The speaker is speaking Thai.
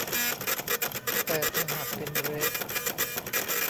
แต่ถ้าหากเป็นเดรส